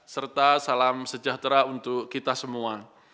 serta salam sejahtera untuk kita semua